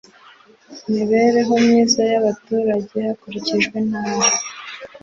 mibereho myiza y abaturage hakurikijwe intara